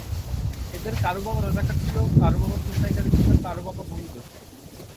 এদের কারও বাবা রাজাকার ছিল, কারও বাবা ছিনতাইকারী ছিল, কারও বাবা ভূমিদস্যু।